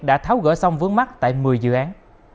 đã tháo gỡ xong vướng mắt tại một mươi dự án